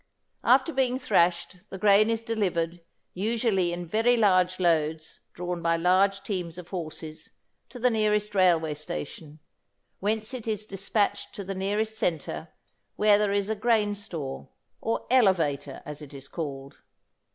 After being thrashed the grain is delivered, usually in very large loads drawn by large teams of horses, to the nearest railway station, whence it is despatched to the nearest centre where there is a grain store, or elevator as it is called.